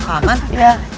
pak aman ya